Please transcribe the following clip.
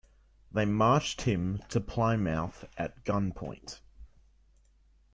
They marched him to Plymouth at gunpoint.